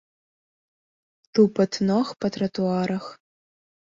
Тупат ног па тратуарах.